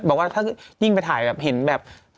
บอกว่าถ้ายิ่งไปถ่ายแบบเห็นแบบ